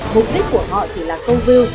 mục đích của họ chỉ là câu view